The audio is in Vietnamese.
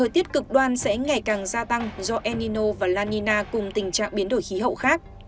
các khối ngày càng gia tăng do el nino và la nina cùng tình trạng biến đổi khí hậu khác